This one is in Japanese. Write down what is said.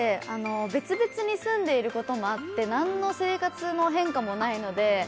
別々に住んでいることもあって何の生活の変化もないので。